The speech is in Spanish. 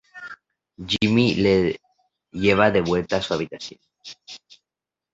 Jimmy le lleva de vuelta a su habitación.